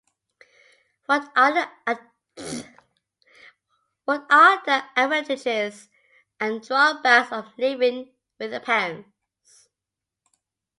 What are the advantages and drawbacks of living with your parents?